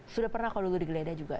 sudah pernah kalau gue digeledah juga